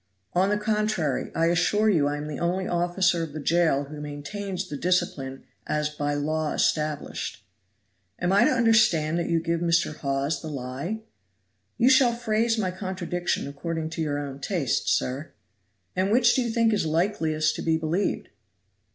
"On the contrary, I assure you I am the only officer of the jail who maintains the discipline as by law established." "Am I to understand that you give Mr. Hawes the lie?" "You shall phrase my contradiction according to your own taste, sir." "And which do you think is likeliest to be believed?"